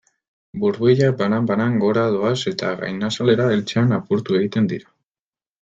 Burbuilak banan-banan gora doaz eta gainazalera heltzean apurtu egiten dira.